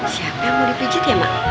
siapa yang mau dipijit ya mak